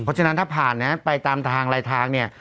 เพราะฉะนั้นถ้าผ่านนะไปตามทางลายทางเนี่ย